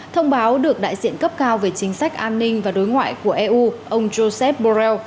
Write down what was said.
thông báo được đại diện cấp cao về chính sách an ninh và đối ngoại của eu ông joseph borrell